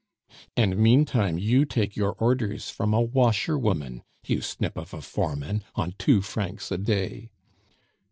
"And meantime you take your orders from a washer woman, you snip of a foreman, on two francs a day."